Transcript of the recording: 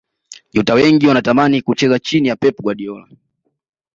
nyota wengi wanatamani kucheza chini ya pep guardiola